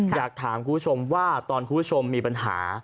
อยากถามคุณผู้ชมว่าตอนคุณผู้ชมมีปัญหา